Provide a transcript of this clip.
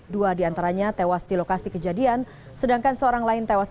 dua di antaranya tewas di lokasi kejadian